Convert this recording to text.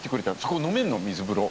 そこ飲めんの水風呂。